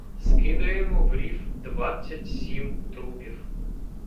скидаємо в рів двадцять сім трупів.